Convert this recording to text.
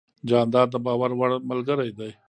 جانداد د باور وړ ملګری دی.